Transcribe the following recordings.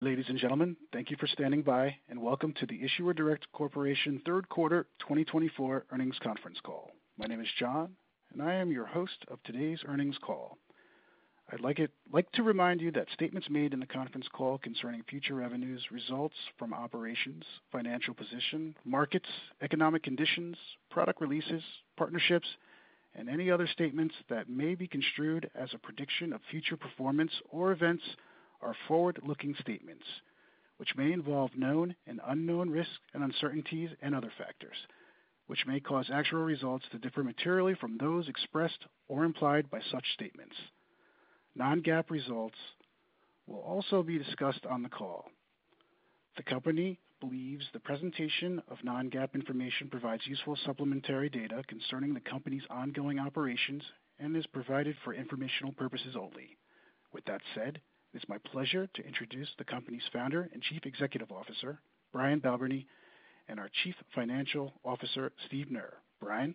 Ladies and gentlemen, thank you for standing by, and welcome to the Issuer Direct Corporation Third Quarter 2024 Earnings Conference Call. My name is John, and I am your host of today's earnings call. I'd like to remind you that statements made in the conference call concerning future revenues result from operations, financial position, markets, economic conditions, product releases, partnerships, and any other statements that may be construed as a prediction of future performance or events are forward-looking statements, which may involve known and unknown risks and uncertainties and other factors, which may cause actual results to differ materially from those expressed or implied by such statements. Non-GAAP results will also be discussed on the call. The company believes the presentation of non-GAAP information provides useful supplementary data concerning the company's ongoing operations and is provided for informational purposes only. With that said, it's my pleasure to introduce the company's founder and Chief Executive Officer, Brian Balbirnie, and our Chief Financial Officer, Steve Knerr. Brian.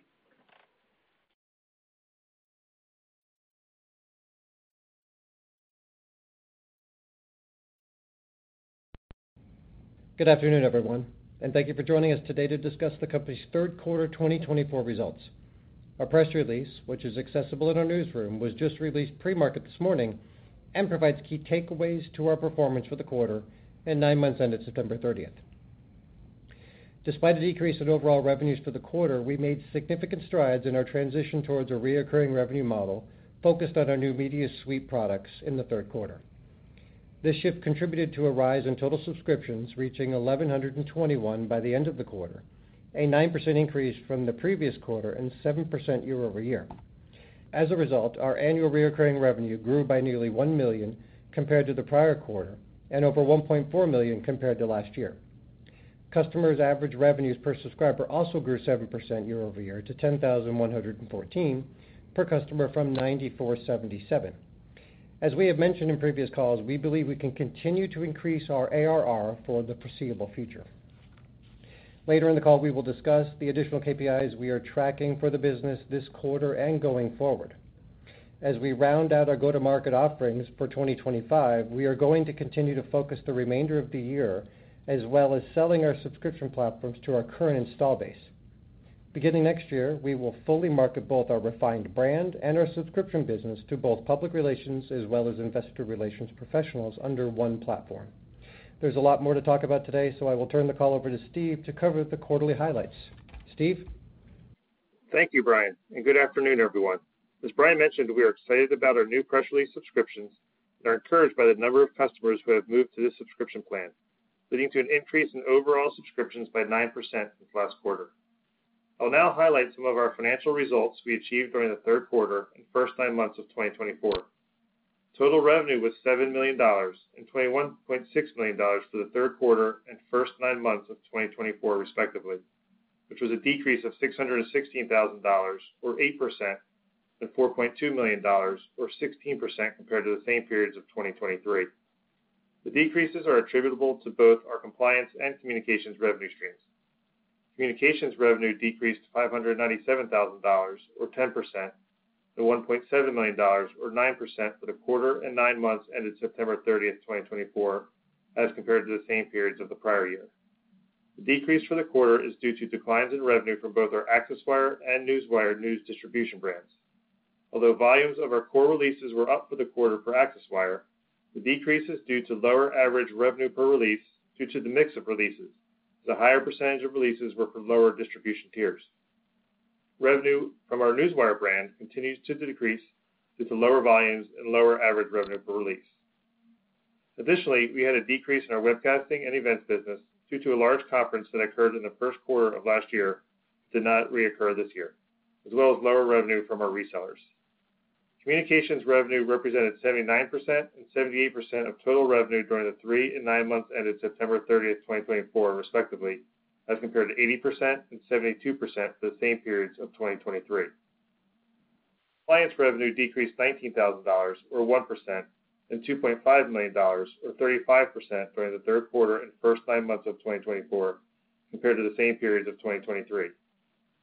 Good afternoon, everyone, and thank you for joining us today to discuss the company's third quarter 2024 results. Our press release, which is accessible in our newsroom, was just released pre-market this morning and provides key takeaways to our performance for the quarter and nine months ended September 30th. Despite a decrease in overall revenues for the quarter, we made significant strides in our transition towards a recurring revenue model focused on our new Media Suite products in the third quarter. This shift contributed to a rise in total subscriptions reaching 1,121 by the end of the quarter, a 9% increase from the previous quarter and 7% year-over-year. As a result, our annual recurring revenue grew by nearly $1 million compared to the prior quarter and over $1.4 million compared to last year. Customers' average revenues per subscriber also grew 7% year over year to $10,114 per customer from $9,477. As we have mentioned in previous calls, we believe we can continue to increase our ARR for the foreseeable future. Later in the call, we will discuss the additional KPIs we are tracking for the business this quarter and going forward. As we round out our go-to-market offerings for 2025, we are going to continue to focus the remainder of the year as well as selling our subscription platforms to our current install base. Beginning next year, we will fully market both our refined brand and our subscription business to both public relations as well as investor relations professionals under one platform. There's a lot more to talk about today, so I will turn the call over to Steve to cover the quarterly highlights. Steve? Thank you, Brian, and good afternoon, everyone. As Brian mentioned, we are excited about our new press release subscriptions and are encouraged by the number of customers who have moved to this subscription plan, leading to an increase in overall subscriptions by 9% in the last quarter. I'll now highlight some of our financial results we achieved during the third quarter and first nine months of 2024. Total revenue was $7 million and $21.6 million for the third quarter and first nine months of 2024, respectively, which was a decrease of $616,000 or 8% and $4.2 million, or 16% compared to the same periods of 2023. The decreases are attributable to both our compliance and communications revenue streams. Communications revenue decreased to $597,000 or 10% to $1.7 million, or 9% for the quarter and nine months ended September 30th, 2024, as compared to the same periods of the prior year. The decrease for the quarter is due to declines in revenue from both our ACCESSWIRE and Newswire news distribution brands. Although volumes of our core releases were up for the quarter for ACCESSWIRE, the decrease is due to lower average revenue per release due to the mix of releases, as a higher percentage of releases were from lower distribution tiers. Revenue from our Newswire brand continues to decrease due to lower volumes and lower average revenue per release. Additionally, we had a decrease in our webcasting and events business due to a large conference that occurred in the first quarter of last year but did not reoccur this year, as well as lower revenue from our resellers. Communications revenue represented 79% and 78% of total revenue during the three and nine months ended September 30th, 2024, respectively, as compared to 80% and 72% for the same periods of 2023. Compliance revenue decreased $19,000 or 1% and $2.5 million, or 35%, during the third quarter and first nine months of 2024 compared to the same periods of 2023.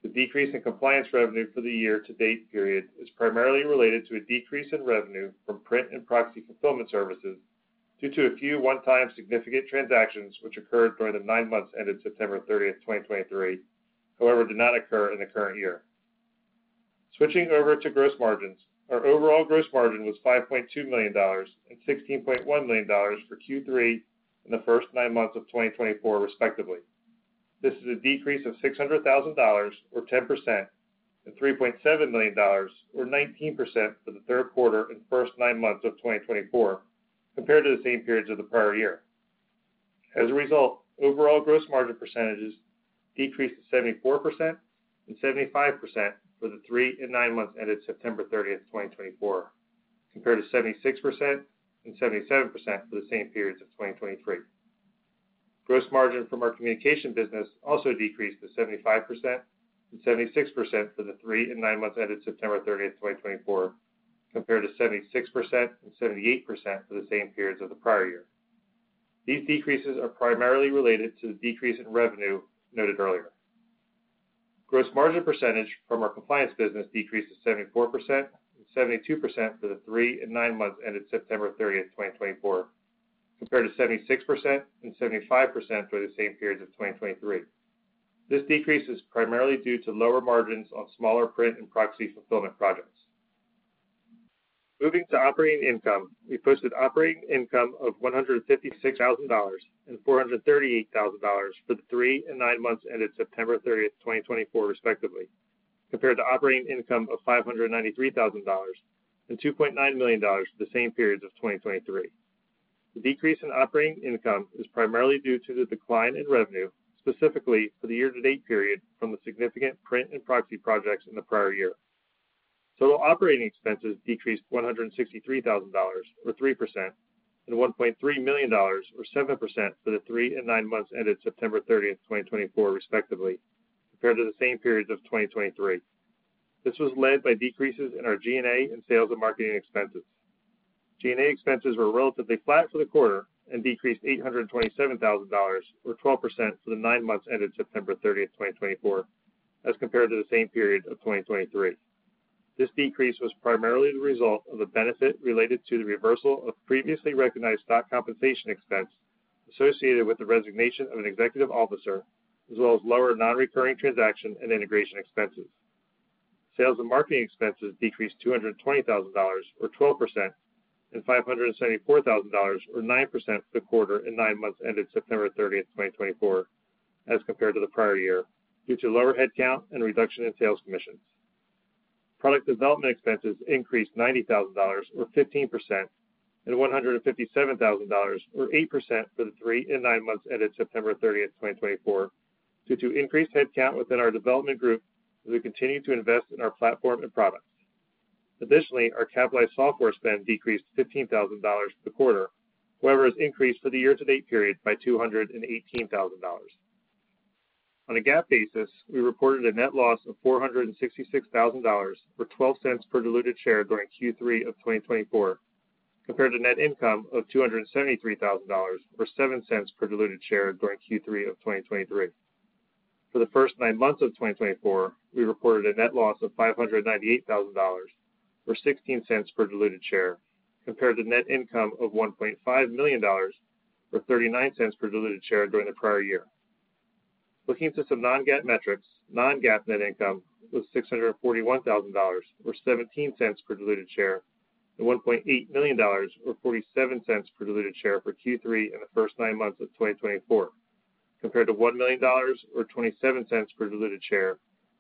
The decrease in compliance revenue for the year-to-date period is primarily related to a decrease in revenue from print and proxy fulfillment services due to a few one-time significant transactions which occurred during the nine months ended September 30th, 2023, however did not occur in the current year. Switching over to gross margins, our overall gross margin was $5.2 million and $16.1 million for Q3 and the first nine months of 2024, respectively. This is a decrease of $600,000 or 10% and $3.7 million, or 19%, for the third quarter and first nine months of 2024 compared to the same periods of the prior year. As a result, overall gross margin percentages decreased to 74% and 75% for the three and nine months ended September 30th, 2024, compared to 76% and 77% for the same periods of 2023. Gross margin from our communication business also decreased to 75% and 76% for the three and nine months ended September 30th, 2024, compared to 76% and 78% for the same periods of the prior year. These decreases are primarily related to the decrease in revenue noted earlier. Gross margin percentage from our compliance business decreased to 74% and 72% for the three and nine months ended September 30th, 2024, compared to 76% and 75% for the same periods of 2023. This decrease is primarily due to lower margins on smaller print and proxy fulfillment projects. Moving to operating income, we posted operating income of $156,000 and $438,000 for the three and nine months ended September 30th, 2024, respectively, compared to operating income of $593,000 and $2.9 million for the same periods of 2023. The decrease in operating income is primarily due to the decline in revenue, specifically for the year-to-date period from the significant print and proxy projects in the prior year. Total operating expenses decreased $163,000 or 3% and $1.3 million, or 7%, for the three and nine months ended September 30th, 2024, respectively, compared to the same periods of 2023. This was led by decreases in our G&A and sales and marketing expenses. G&A expenses were relatively flat for the quarter and decreased $827,000 or 12% for the nine months ended September 30th, 2024, as compared to the same period of 2023. This decrease was primarily the result of a benefit related to the reversal of previously recognized stock compensation expense associated with the resignation of an executive officer, as well as lower non-recurring transaction and integration expenses. Sales and marketing expenses decreased $220,000 or 12% and $574,000 or 9% for the quarter and nine months ended September 30th, 2024, as compared to the prior year due to lower headcount and reduction in sales commissions. Product development expenses increased $90,000 or 15% and $157,000 or 8% for the three and nine months ended September 30th, 2024, due to increased headcount within our development group as we continue to invest in our platform and products. Additionally, our capitalized software spend decreased $15,000 for the quarter, however has increased for the year-to-date period by $218,000. On a GAAP basis, we reported a net loss of $466,000 or $0.12 per diluted share during Q3 of 2024, compared to net income of $273,000 or $0.07 per diluted share during Q3 of 2023. For the first nine months of 2024, we reported a net loss of $598,000 or $0.16 per diluted share, compared to net income of $1.5 million or $0.39 per diluted share during the prior year. Looking to some non-GAAP metrics, non-GAAP net income was $641,000 or $0.17 per diluted share and $1.8 million or $0.47 per diluted share for Q3 and the first nine months of 2024, compared to $1 million or $0.27 per diluted share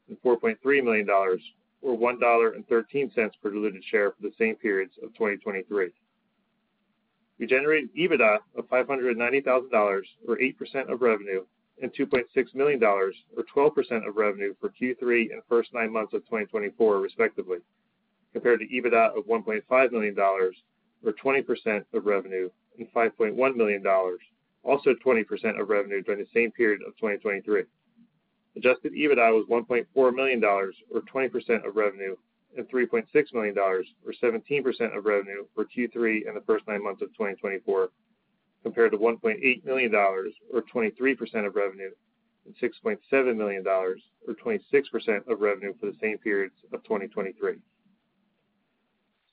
and $4.3 million or $1.13 per diluted share for the same periods of 2023. We generated EBITDA of $590,000 or 8% of revenue and $2.6 million or 12% of revenue for Q3 and first nine months of 2024, respectively, compared to EBITDA of $1.5 million or 20% of revenue and $5.1 million, also 20% of revenue during the same period of 2023. Adjusted EBITDA was $1.4 million or 20% of revenue and $3.6 million or 17% of revenue for Q3 and the first nine months of 2024, compared to $1.8 million or 23% of revenue and $6.7 million or 26% of revenue for the same periods of 2023.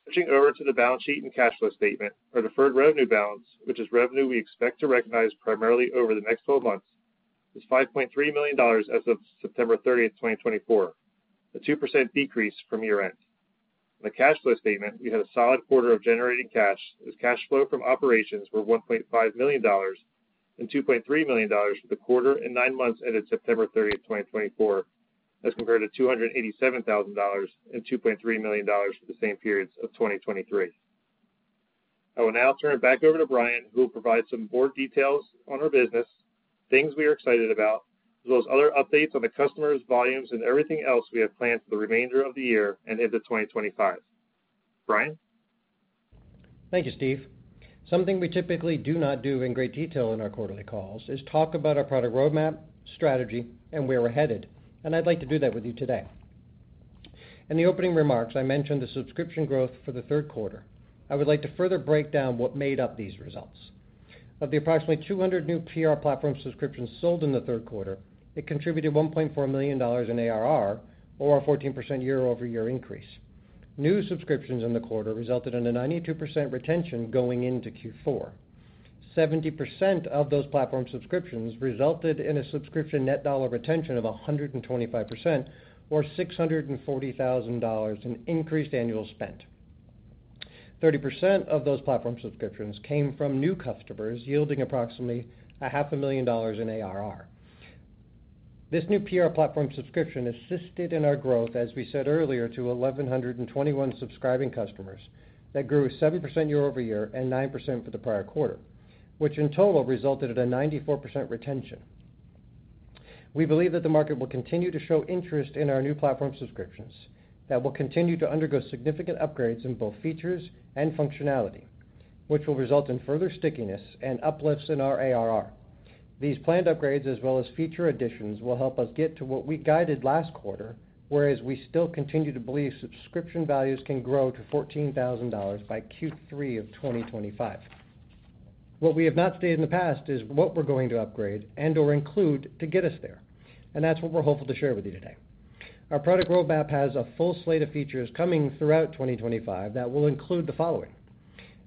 Switching over to the balance sheet and cash flow statement, our deferred revenue balance, which is revenue we expect to recognize primarily over the next 12 months, is $5.3 million as of September 30th, 2024, a 2% decrease from year-end. On the cash flow statement, we had a solid quarter of generating cash as cash flow from operations were $1.5 million and $2.3 million for the quarter and nine months ended September 30th, 2024, as compared to $287,000 and $2.3 million for the same periods of 2023. I will now turn it back over to Brian, who will provide some more details on our business, things we are excited about, as well as other updates on the customers, volumes, and everything else we have planned for the remainder of the year and into 2025. Brian? Thank you, Steve. Something we typically do not do in great detail in our quarterly calls is talk about our product roadmap, strategy, and where we're headed, and I'd like to do that with you today. In the opening remarks, I mentioned the subscription growth for the third quarter. I would like to further break down what made up these results. Of the approximately 200 new PR platform subscriptions sold in the third quarter, it contributed $1.4 million in ARR, or a 14% year-over-year increase. New subscriptions in the quarter resulted in a 92% retention going into Q4. 70% of those platform subscriptions resulted in a subscription net dollar retention of 125%, or $640,000 in increased annual spent. 30% of those platform subscriptions came from new customers yielding approximately $500,000 in ARR. This new PR platform subscription assisted in our growth, as we said earlier, to 1,121 subscribing customers that grew 7% year-over-year and 9% for the prior quarter, which in total resulted in a 94% retention. We believe that the market will continue to show interest in our new platform subscriptions that will continue to undergo significant upgrades in both features and functionality, which will result in further stickiness and uplifts in our ARR. These planned upgrades, as well as feature additions, will help us get to what we guided last quarter, whereas we still continue to believe subscription values can grow to $14,000 by Q3 of 2025. What we have not stated in the past is what we're going to upgrade and/or include to get us there, and that's what we're hopeful to share with you today. Our product roadmap has a full slate of features coming throughout 2025 that will include the following: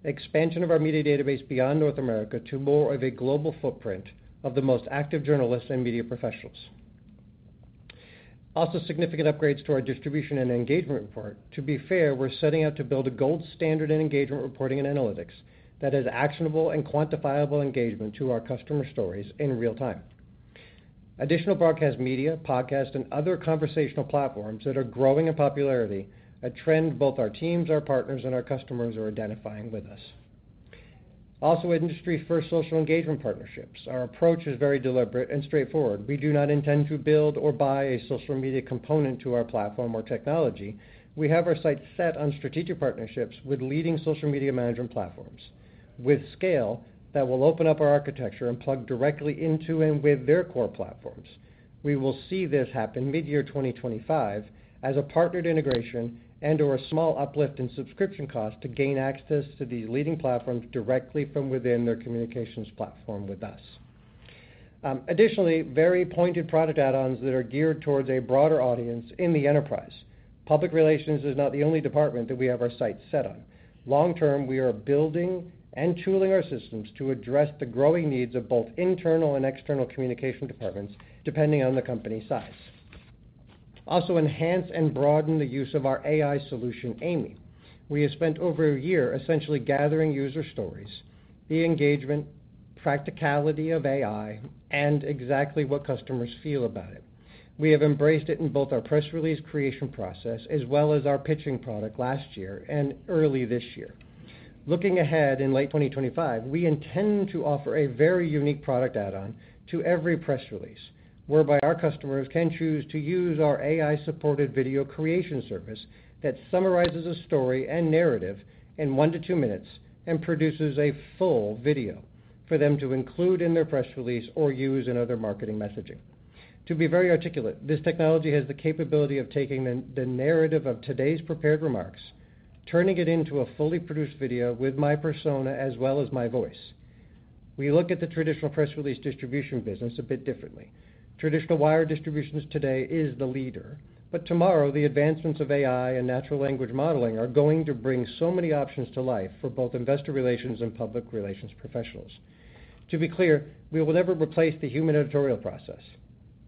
expansion of our media database beyond North America to more of a global footprint of the most active journalists and media professionals. Also, significant upgrades to our distribution and engagement report. To be fair, we're setting out to build a gold standard in engagement reporting and analytics that has actionable and quantifiable engagement to our customer stories in real time. Additional broadcast media, podcasts, and other conversational platforms that are growing in popularity, a trend both our teams, our partners, and our customers are identifying with us. Also, industry-first social engagement partnerships. Our approach is very deliberate and straightforward. We do not intend to build or buy a social media component to our platform or technology. We have our sights set on strategic partnerships with leading social media management platforms, with scale that will open up our architecture and plug directly into and with their core platforms. We will see this happen mid-year 2025 as a partnered integration and/or a small uplift in subscription costs to gain access to these leading platforms directly from within their communications platform with us. Additionally, very pointed product add-ons that are geared towards a broader audience in the enterprise. Public relations is not the only department that we have our sights set on. Long term, we are building and tooling our systems to address the growing needs of both internal and external communication departments, depending on the company size. Also, enhance and broaden the use of our AI solution, AImee. We have spent over a year essentially gathering user stories, the engagement, practicality of AI, and exactly what customers feel about it. We have embraced it in both our press release creation process as well as our pitching product last year and early this year. Looking ahead in late 2025, we intend to offer a very unique product add-on to every press release, whereby our customers can choose to use our AI-supported video creation service that summarizes a story and narrative in one to two minutes and produces a full video for them to include in their press release or use in other marketing messaging. To be very articulate, this technology has the capability of taking the narrative of today's prepared remarks, turning it into a fully produced video with my persona as well as my voice. We look at the traditional press release distribution business a bit differently. Traditional wire distributions today is the leader, but tomorrow, the advancements of AI and natural language modeling are going to bring so many options to life for both investor relations and public relations professionals. To be clear, we will never replace the human editorial process.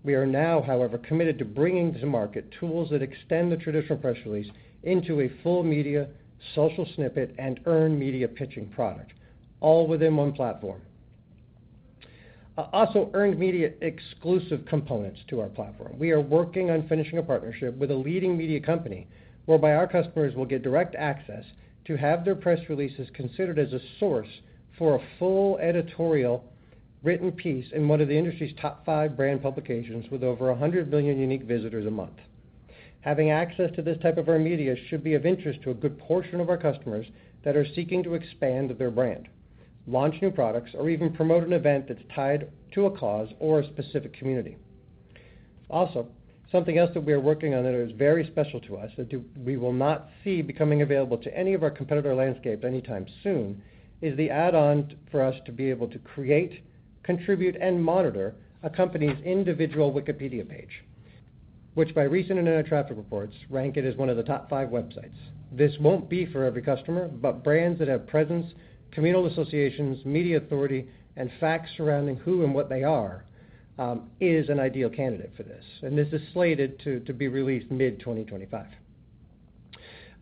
We are now, however, committed to bringing to market tools that extend the traditional press release into a full media, social snippet, and earned media pitching product, all within one platform. Also, earned media exclusive components to our platform. We are working on finishing a partnership with a leading media company whereby our customers will get direct access to have their press releases considered as a source for a full editorial written piece in one of the industry's top five brand publications with over 100 million unique visitors a month. Having access to this type of our media should be of interest to a good portion of our customers that are seeking to expand their brand, launch new products, or even promote an event that's tied to a cause or a specific community. Also, something else that we are working on that is very special to us, that we will not see becoming available to any of our competitor landscapes anytime soon, is the add-on for us to be able to create, contribute, and monitor a company's individual Wikipedia page, which by recent internet traffic reports rank it as one of the top five websites. This won't be for every customer, but brands that have presence, communal associations, media authority, and facts surrounding who and what they are is an ideal candidate for this, and this is slated to be released mid-2025.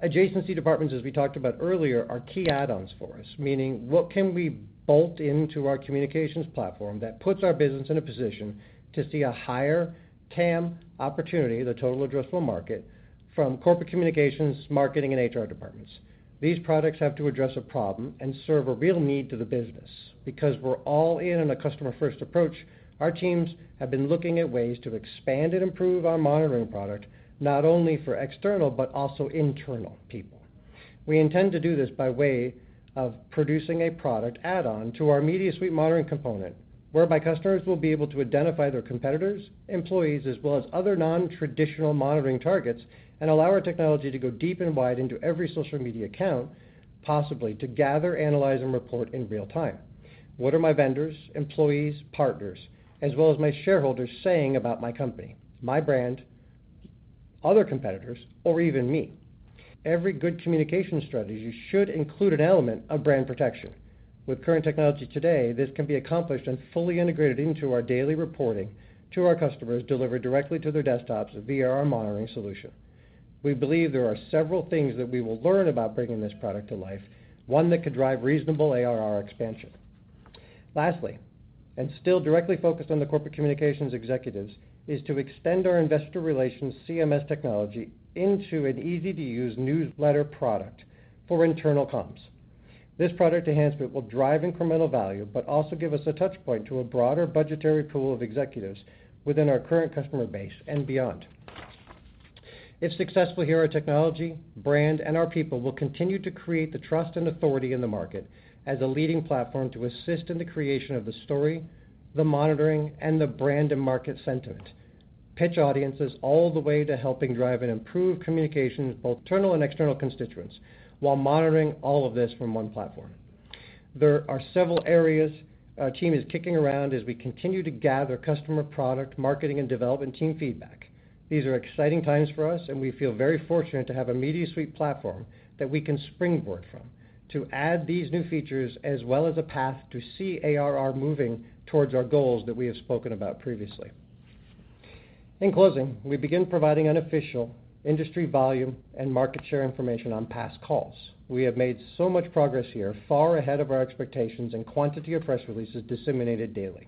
Adjacency departments, as we talked about earlier, are key add-ons for us, meaning what can we bolt into our communications platform that puts our business in a position to see a higher TAM opportunity, the Total Addressable Market, from corporate communications, marketing, and HR departments. These products have to address a problem and serve a real need to the business. Because we're all in on a customer-first approach, our teams have been looking at ways to expand and improve our monitoring product not only for external but also internal people. We intend to do this by way of producing a product add-on to our Media Suite monitoring component, whereby customers will be able to identify their competitors, employees, as well as other non-traditional monitoring targets and allow our technology to go deep and wide into every social media account, possibly to gather, analyze, and report in real time. What are my vendors, employees, partners, as well as my shareholders saying about my company, my brand, other competitors, or even me? Every good communication strategy should include an element of brand protection. With current technology today, this can be accomplished and fully integrated into our daily reporting to our customers delivered directly to their desktops via our monitoring solution. We believe there are several things that we will learn about bringing this product to life, one that could drive reasonable ARR expansion. Lastly, and still directly focused on the corporate communications executives, is to extend our investor relations CMS technology into an easy-to-use newsletter product for internal comms. This product enhancement will drive incremental value but also give us a touchpoint to a broader budgetary pool of executives within our current customer base and beyond. If successful here, our technology, brand, and our people will continue to create the trust and authority in the market as a leading platform to assist in the creation of the story, the monitoring, and the brand and market sentiment, pitch audiences all the way to helping drive and improve communications with both internal and external constituents while monitoring all of this from one platform. There are several areas our team is kicking around as we continue to gather customer product, marketing, and development team feedback. These are exciting times for us, and we feel very fortunate to have a Media Suite platform that we can springboard from to add these new features as well as a path to see ARR moving towards our goals that we have spoken about previously. In closing, we begin providing unofficial industry volume and market share information on past calls. We have made so much progress here, far ahead of our expectations in quantity of press releases disseminated daily.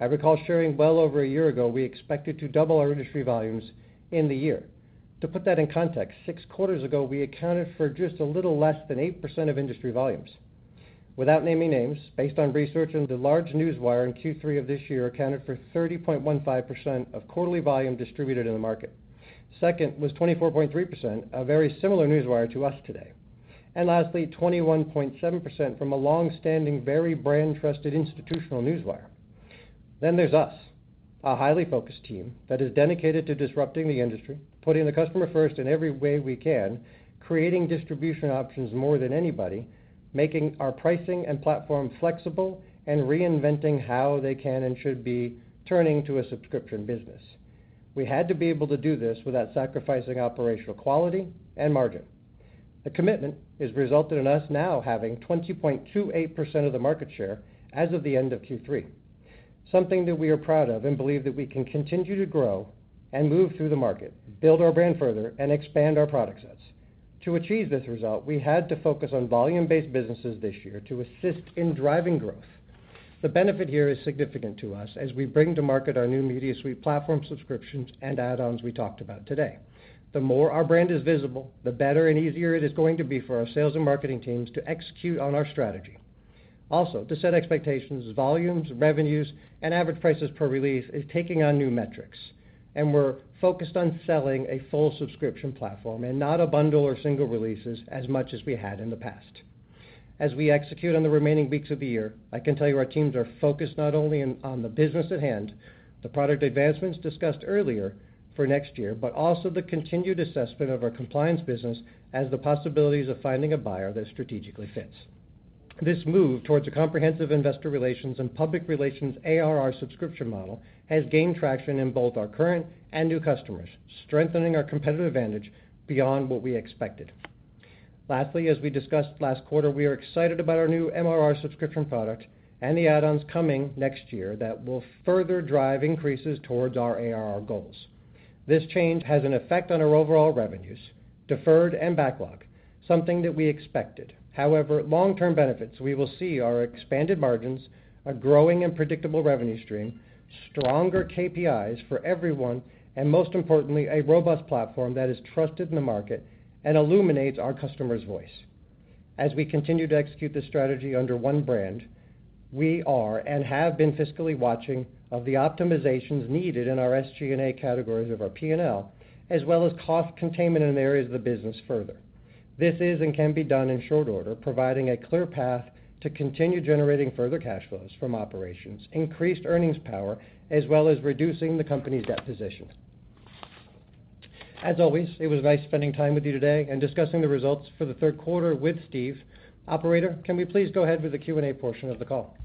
I recall sharing well over a year ago we expected to double our industry volumes in the year. To put that in context, six quarters ago, we accounted for just a little less than 8% of industry volumes. Without naming names, based on research on the large newswire in Q3 of this year, it accounted for 30.15% of quarterly volume distributed in the market. Second was 24.3%, a very similar newswire to us today. And lastly, 21.7% from a long-standing, very brand-trusted institutional newswire. Then there's us, a highly focused team that is dedicated to disrupting the industry, putting the customer first in every way we can, creating distribution options more than anybody, making our pricing and platform flexible, and reinventing how they can and should be turning to a subscription business. We had to be able to do this without sacrificing operational quality and margin. The commitment has resulted in us now having 20.28% of the market share as of the end of Q3, something that we are proud of and believe that we can continue to grow and move through the market, build our brand further, and expand our product sets. To achieve this result, we had to focus on volume-based businesses this year to assist in driving growth. The benefit here is significant to us as we bring to market our new Media Suite platform subscriptions and add-ons we talked about today. The more our brand is visible, the better and easier it is going to be for our sales and marketing teams to execute on our strategy. Also, to set expectations, volumes, revenues, and average prices per release is taking on new metrics, and we're focused on selling a full subscription platform and not a bundle or single releases as much as we had in the past. As we execute on the remaining weeks of the year, I can tell you our teams are focused not only on the business at hand, the product advancements discussed earlier for next year, but also the continued assessment of our compliance business as the possibilities of finding a buyer that strategically fits. This move towards a comprehensive investor relations and public relations ARR subscription model has gained traction in both our current and new customers, strengthening our competitive advantage beyond what we expected. Lastly, as we discussed last quarter, we are excited about our new MRR subscription product and the add-ons coming next year that will further drive increases towards our ARR goals. This change has an effect on our overall revenues, deferred and backlog, something that we expected. However, long-term benefits we will see are expanded margins, a growing and predictable revenue stream, stronger KPIs for everyone, and most importantly, a robust platform that is trusted in the market and illuminates our customer's voice. As we continue to execute this strategy under one brand, we are and have been fiscally watchful of the optimizations needed in our SG&A categories of our P&L, as well as cost containment in areas of the business further. This is and can be done in short order, providing a clear path to continue generating further cash flows from operations, increased earnings power, as well as reducing the company's debt position. As always, it was nice spending time with you today and discussing the results for the third quarter with Steve. Operator, can we please go ahead with the Q&A portion of the call?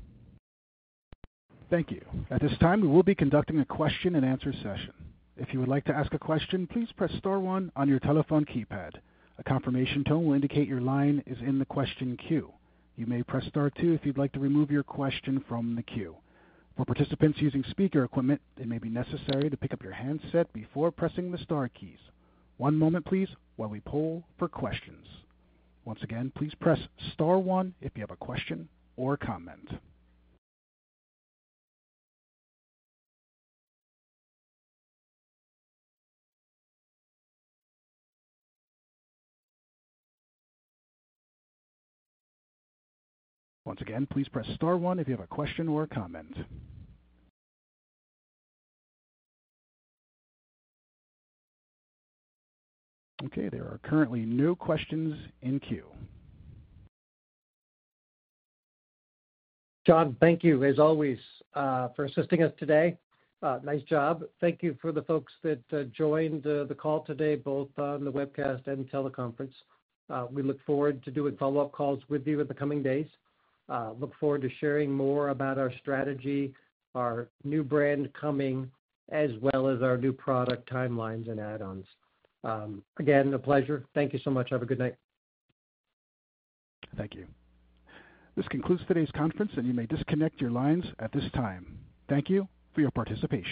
Thank you. At this time, we will be conducting a question-and-answer session. If you would like to ask a question, please press star one on your telephone keypad. A confirmation tone will indicate your line is in the question queue. You may press star two if you'd like to remove your question from the queue. For participants using speaker equipment, it may be necessary to pick up your handset before pressing the star keys. One moment, please, while we poll for questions. Once again, please press star one if you have a question or comment. Once again, please press star one if you have a question or a comment. Okay. There are currently no questions in queue. John, thank you, as always, for assisting us today. Nice job. Thank you for the folks that joined the call today, both on the webcast and teleconference. We look forward to doing follow-up calls with you in the coming days. Look forward to sharing more about our strategy, our new brand coming, as well as our new product timelines and add-ons. Again, a pleasure. Thank you so much. Have a good night. Thank you. This concludes today's conference, and you may disconnect your lines at this time. Thank you for your participation.